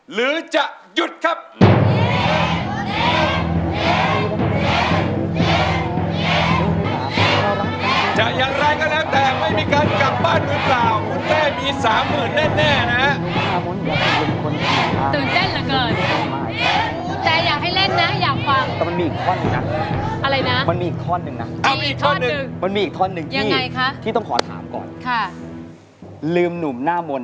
หรือจะหยุดครับ